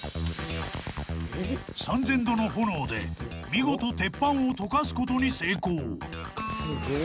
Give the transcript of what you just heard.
［３，０００℃の炎で見事鉄板を溶かすことに成功］